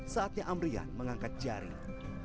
saatnya amrian mengangkat jaring